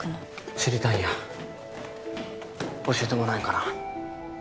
知りたいんや教えてもらえんかな？